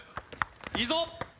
いいぞ！